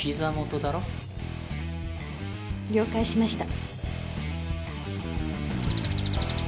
了解しました。